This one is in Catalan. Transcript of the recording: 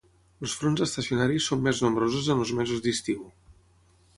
Els fronts estacionaris són més nombrosos en els mesos d'estiu.